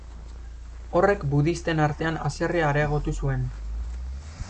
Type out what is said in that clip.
Horrek budisten artean haserrea areagotu zuen.